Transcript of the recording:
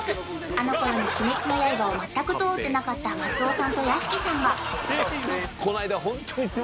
あの頃に『鬼滅の刃』を全く通ってなかった松尾さんと屋敷さんが